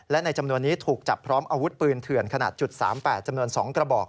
และในจำนวนนี้ถูกจับพร้อมอาวุธปืนเถื่อนขนาด๓๘จำนวน๒กระบอก